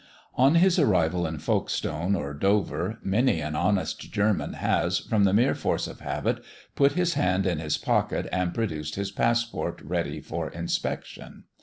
On his arrival in Folkestone or Dover, many an honest German has, from mere force of habit, put his hand in his pocket and produced his passport ready for inspection.